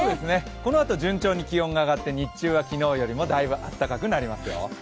このあと順調に気温が上がって、日中は昨日よりもだいぶ暖かくなりますよ。